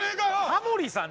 タモリさん？